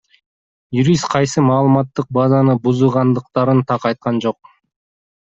Юрист кайсы маалыматтык базаны бузугандыктарын так айткан жок.